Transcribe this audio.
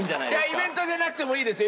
イベントじゃなくてもいいですよ。